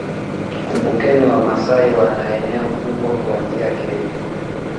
Kumbukeni Wamasai wana eneo kubwa kuanzia Kenya